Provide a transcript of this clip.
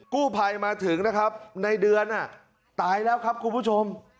กู้ภัยมาถึงนะครับในเดือนตายแล้วครับคุณผู้ชม